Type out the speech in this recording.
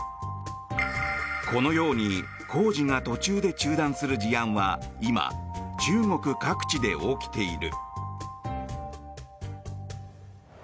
このように工事が途中で中断する事案は今、中国各地で起きている。